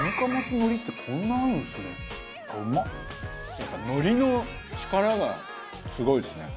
やっぱ海苔の力がすごいですね。